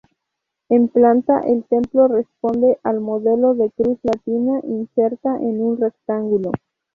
En planta el templo responde al modelo de cruz latina inserta en un rectángulo.